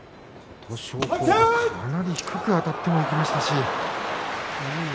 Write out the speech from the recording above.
琴勝峰がかなり低くあたってもいきましたし。